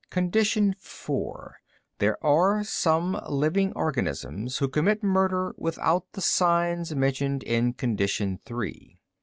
_Condition four, there are some living organisms who commit murder without the signs mentioned in condition three.